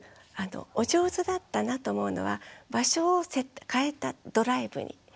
お上手だったなと思うのは場所を変えたドライブに。